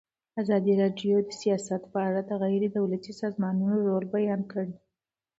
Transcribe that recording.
ازادي راډیو د سیاست په اړه د غیر دولتي سازمانونو رول بیان کړی.